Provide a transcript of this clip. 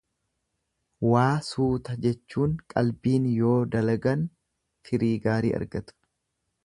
Waa suuta jechuun qalbiin yoo dalagan firii gaarii argatu.